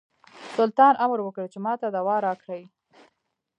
سلطان امر وکړ چې ماته دوا راکړي.